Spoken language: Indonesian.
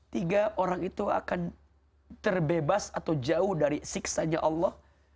tiga orang itu akan terbebas atau jauh dari siksanya allah